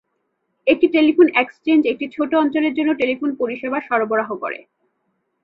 একটি telephone exchange একটি ছোট অঞ্চলের জন্য টেলিফোন পরিষেবা সরবরাহ করে।